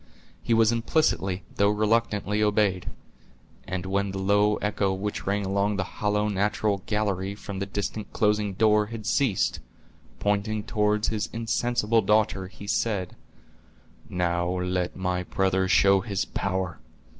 He was implicitly, though reluctantly, obeyed; and when the low echo which rang along the hollow, natural gallery, from the distant closing door, had ceased, pointing toward his insensible daughter, he said: "Now let my brother show his power."